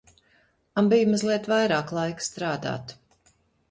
Man bija mazliet vairāk laika strādāt.